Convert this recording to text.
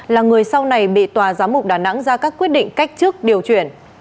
là người sau này bị tòa giám mục đà nẵng ra các quyết định cách chức điều chuyển